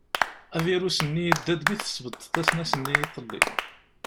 Avrius-nni yedda-d mi tesbeddeḍ asnas-nni iḍelli.